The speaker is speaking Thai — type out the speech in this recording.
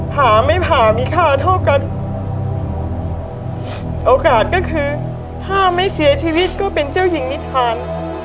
ผ่าไม่ผ่ามีค่าเท่ากันโอกาสก็คือถ้าไม่เสียชีวิตก็เป็นเจ้าหญิงนิทาน